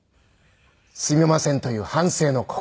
「すみません」という反省の心。